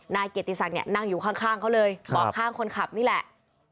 นายเกียรติศักดิ์เนี่ยนั่งอยู่ข้างเขาเลยเบาะข้างคนขับนี่แหละ